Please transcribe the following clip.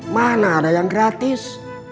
mana ada yang gratis